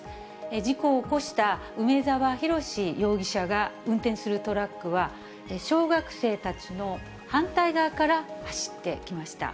事故を起こした梅沢洋容疑者が運転するトラックは、小学生たちの反対側から走ってきました。